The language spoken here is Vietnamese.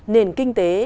nền kinh tế